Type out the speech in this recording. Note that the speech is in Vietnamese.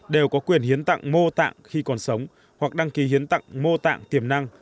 đều có quyền hiến tạng mô tạng khi còn sống hoặc đăng ký hiến tạng mô tạng tiềm năng